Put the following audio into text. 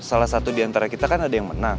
salah satu diantara kita kan ada yang menang